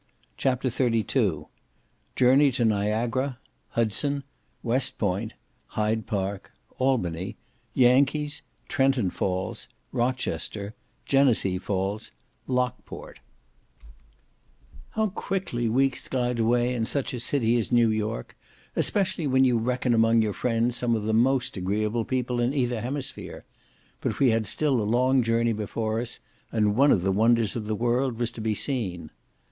CHAPTER XXXII Journey to Niagara—Hudson—West Point—Hyde Park—Albany—Yankees—Trenton Falls—Rochester—Genesee Falls—Lockport How quickly weeks glide away in such a city as New York, especially when you reckon among your friends some of the most agreeable people in either hemisphere. But we had still a long journey before us, and one of the wonders of the world was to be seen.